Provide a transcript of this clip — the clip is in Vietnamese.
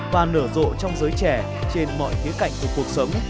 và nở rộ trong giới trẻ trên mọi khía cạnh của cuộc sống